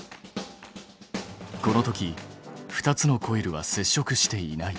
このとき２つのコイルは接触していない。